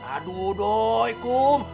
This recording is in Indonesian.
aduh doi kum